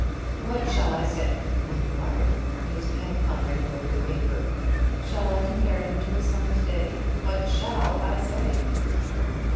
"What shall I say?" he inquired, his pen hovering over the paper. "Shall I compare him to a summer's day? What shall I say?"